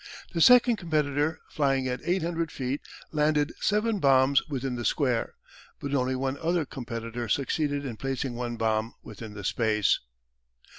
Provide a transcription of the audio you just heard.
The second competitor flying at 800 feet landed seven bombs within the square, but only one other competitor succeeded in placing one bomb within the space.